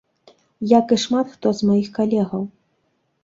Як і шмат хто з маіх калегаў.